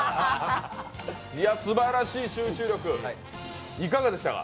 すばらしい集中力、いかがでしたか？